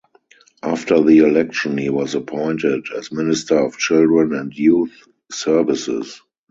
After the election he was appointed as Minister of Children and Youth Services.